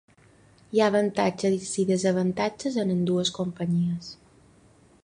Hi ha avantatges i desavantatges en ambdues companyies.